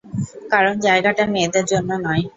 কারণ জায়গাটা মেয়েদের জন্য নয়।